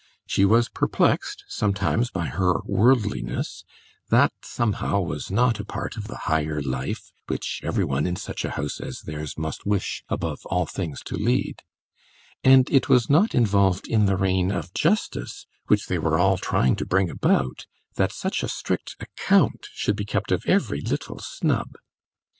She was perplexed sometimes by her worldliness; that, somehow, was not a part of the higher life which every one in such a house as theirs must wish above all things to lead; and it was not involved in the reign of justice, which they were all trying to bring about, that such a strict account should be kept of every little snub.